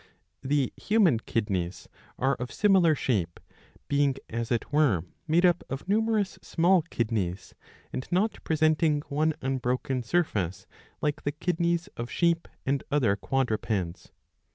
The human kidneys are of similar shape ; being as it were made up of numerous small kidneys,^ and not presenting one unbroken surface like the kidneys of sheep and other quadrupeds.'''